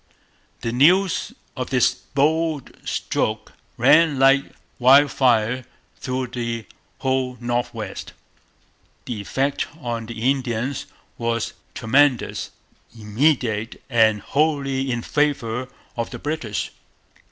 The news of this bold stroke ran like wildfire through the whole North West. The effect on the Indians was tremendous, immediate, and wholly in favour of the British.